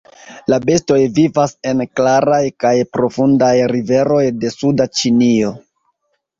La bestoj vivas en klaraj kaj profundaj riveroj de suda Ĉinio.